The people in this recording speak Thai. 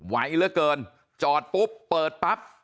ไวเหลือเกินจอดปุ๊บเปิดปั๊บ